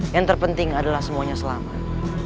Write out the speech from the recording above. yang terpenting adalah semuanya selamat